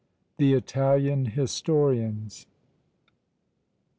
THE ITALIAN HISTORIANS.